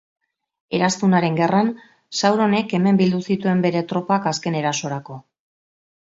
Eraztunaren Gerran, Sauronek hemen bildu zituen bere tropak azken erasorako.